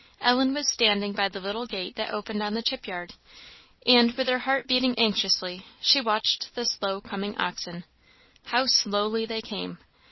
Ellen was standing by the little gate that opened on the chip yard; and with her heart beating anxiously, she watched the slow coming oxen; how slowly they came!